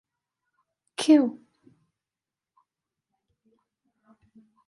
Qu.